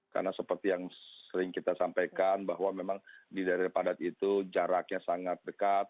karena seperti yang sering kita sampaikan bahwa memang di daerah padat itu jaraknya sangat dekat